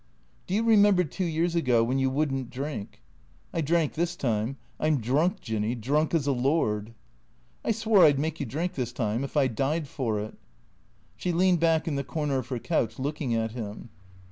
" Do you remember two years ago — when you would n't drink ?"" I drank this time. I 'm drunk, Jinny, drunk as a lord." " I swore I 'd make you drink, this time; if I died for it." She leaned back in the corner of her couch, looking at him.